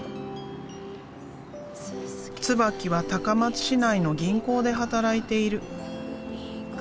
椿は高松市内の銀行で働いている。